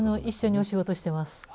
一緒にお仕事してます。